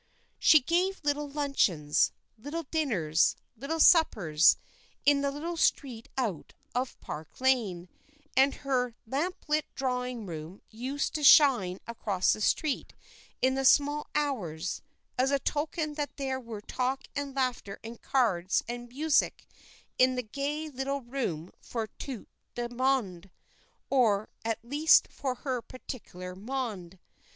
She gave little luncheons, little dinners, little suppers, in the little street out of Park Lane, and her lamp lit drawing room used to shine across the street in the small hours, as a token that there were talk and laughter and cards and music in the gay little room for tout le monde, or at least for her particular monde.